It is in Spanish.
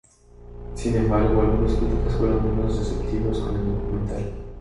Sin embargo, algunos críticos fueron menos receptivos con el documental.